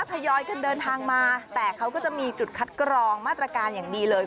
ทยอยกันเดินทางมาแต่เขาก็จะมีจุดคัดกรองมาตรการอย่างดีเลย